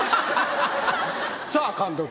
さあ監督。